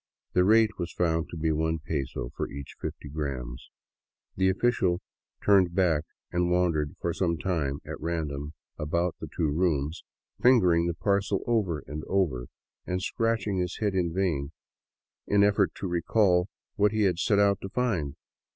The rate was found to be one peso for each fifty grams. The official turned back and wandered for some time at random about the two rooms, fingering the parcel over and over and scratching his head in a vain effort to recall what he had set out to find.